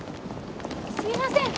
すいません！